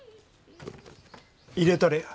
入れたれや。